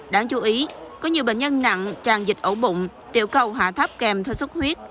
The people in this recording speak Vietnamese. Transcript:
đáng chú ý có nhiều bệnh nhân nặng tràn dịch ẩu bụng tiểu cầu hạ tháp kèm sốt huyết